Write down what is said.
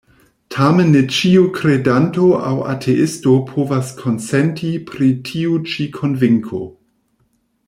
Tamen ne ĉiu kredanto aŭ ateisto povas konsenti pri tiu ĉi konvinko.